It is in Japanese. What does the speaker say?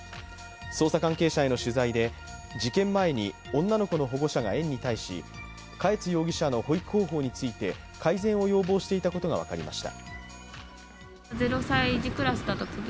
捜査関係者への取材で、事件前に女の子の保護者が園に対して嘉悦容疑者の保育方法について改善を要望していたことが分かりました。